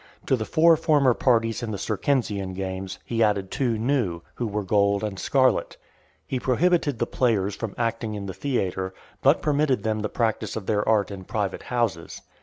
To the four former parties in the Circensian games, he added two new, who were gold and scarlet. He prohibited the players from acting in the theatre, but permitted them the practice of their art in private houses.